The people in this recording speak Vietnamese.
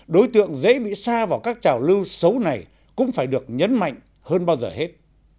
đối tượng dễ bị xa vào các trào lưu xấu này cũng phải được nhấn mạnh hơn bao giờ hết